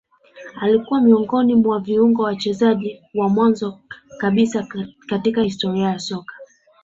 Alikua miongoni mwa viungo wachezeshaji wa mwanzo kabisa katika historia ya soka